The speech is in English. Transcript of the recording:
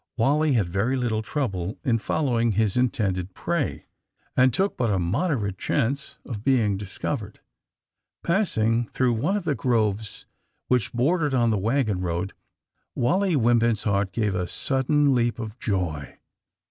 Wally had very little trouble in following his intended prey, and took but a moderate chance of being discovered. Passing through one of the groves, which bor dered on a wagon road, Wally Wimpins 's heart gave a sudden leap of joy.